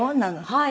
はい。